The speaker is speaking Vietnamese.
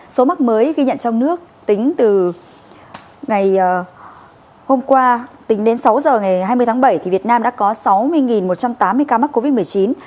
số mắc mới ghi nhận trong nước tính từ ngày hôm qua tính đến sáu giờ ngày hai mươi tháng bảy việt nam đã có sáu mươi một trăm tám mươi ca mắc covid một mươi chín